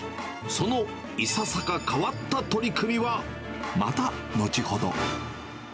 そのいささか変わった取り組みは、また後ほど。